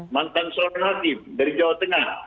mantan soren hatim dari jawa tengah